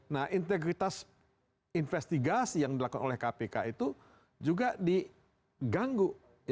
nah integritas investigasi yang dilakukan oleh kpk itu juga diganggu